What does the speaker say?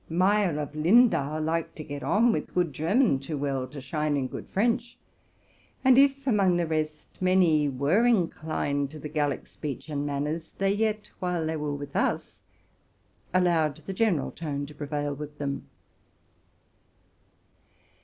Meyer, of Lindau, liked to get on with good German too well to shine in good French ; and if, among the rest, many were inclined to 'the Gallic speech and manners, they yet, while they were with us, allowed the general tone to prevail with them.